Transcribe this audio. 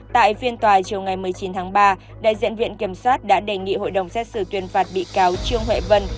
tại phiên tòa chiều ngày một mươi chín tháng ba đại diện viện kiểm sát đã đề nghị hội đồng xét xử tuyên phạt bị cáo trương huệ vân